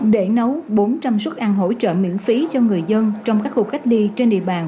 để nấu bốn trăm linh suất ăn hỗ trợ miễn phí cho người dân trong các khu cách ly trên địa bàn